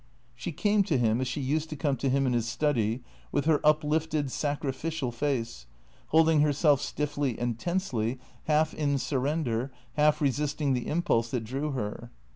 She came to him, as she used to come to him in his study, with her uplifted, sacrificial face, holding herself stiffly and tensely, half in surrender, half resisting the impulse that drew her.